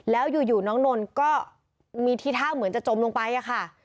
แล้วอยู่น้องนนท์ก็มีที่ท่าเหมือนจะจมลงไปอะค่ะ